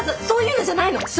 そういうのじゃないの？